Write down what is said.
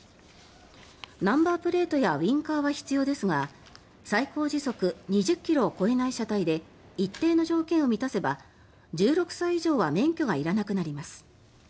ナンバープレートやウィンカーは必要ですが最高時速２０ｋｍを超えない車体で一定の条件を満たせば１６歳以上は免許がいらなくなります。